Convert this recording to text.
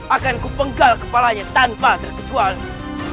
akan kupenggal kepalanya tanpa terkecuali